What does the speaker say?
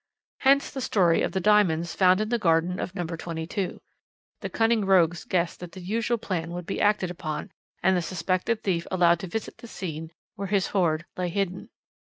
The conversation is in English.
Hence the story of the diamonds found in the garden of No. 22. The cunning rogues guessed that the usual plan would be acted upon, and the suspected thief allowed to visit the scene where his hoard lay hidden.